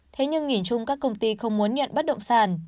thế nhưng nghỉ trung các công ty không muốn nhận bắt động sản